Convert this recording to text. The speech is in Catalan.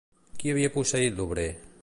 Qui havia posseït l'obrer?